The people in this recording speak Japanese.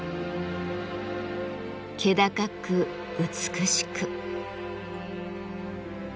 気高く美しく。